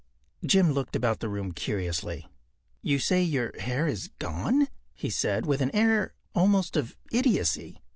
” Jim looked about the room curiously. “You say your hair is gone?” he said, with an air almost of idiocy.